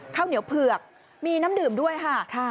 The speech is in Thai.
ข้าวเหนียวเผือกมีน้ำดื่มด้วยค่ะ